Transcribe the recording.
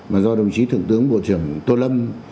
mà do đồng chí thượng tướng bộ trưởng tô lâm